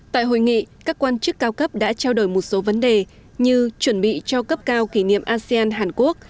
tại hội nghị các quan chức cao cấp đã trao đổi một số vấn đề như chuẩn bị cho cấp cao kỷ niệm asean hàn quốc